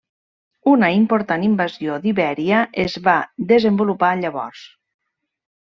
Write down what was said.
Una important invasió d'Ibèria es va desenvolupar llavors.